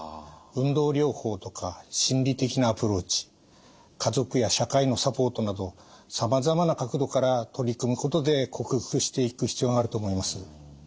運動療法とか心理的なアプローチ家族や社会のサポートなどさまざまな角度から取り組むことで克服していく必要があると思います。